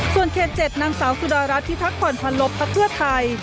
ส่วนเขตเจ็ดนางสาวสุดารัฐที่ทักคอนพันลบภักดิ์เพื่อไทย